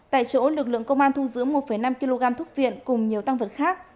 tại chỗ lực lượng công an thu giữ một năm kg thuốc viện cùng nhiều tăng vật khác